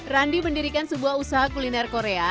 randi mendirikan sebuah usaha kuliner korea